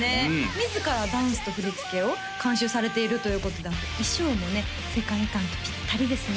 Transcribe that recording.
自らダンスと振り付けを監修されているということで衣装もね世界観とピッタリですね